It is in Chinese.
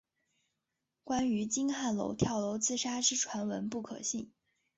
关于金凤汉跳楼自杀之传闻不可信。